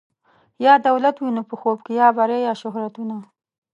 یا دولت وینو په خوب کي یا بری یا شهرتونه